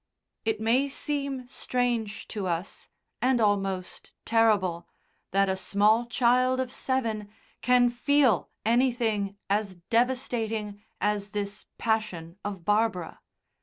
It may seem strange to us, and almost terrible, that a small child of seven can feel anything as devastating as this passion of Barbara.